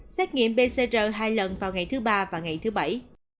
xét nghiệm pcr hai lần vào ngày thứ ba và ngày thứ bảy